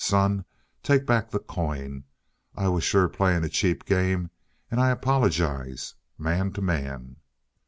Son, take back the coin. I was sure playing a cheap game and I apologize, man to man."